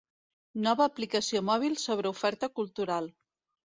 Nova aplicació mòbil sobre oferta cultural.